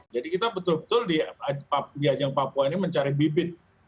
jadi kita betul betul di ajang papua ini mencari bibit